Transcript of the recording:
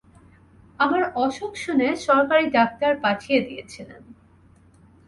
আমার অসুখ শুনে সরকারী ডাক্তার পাঠিয়ে দিয়েছিলেন।